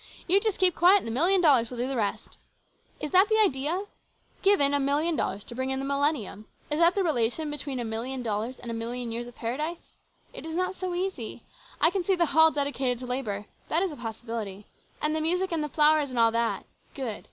You just keep quiet, and the million dollars will do the rest !' Is that the idea ? Given, a million dollars, to bring in the millennium. Is that the relation between a million dollars and a million years of paradise ? It is not so easy. I can see the hall dedicated to labour. That is a possibility. And the music and the flowers and all that. Good.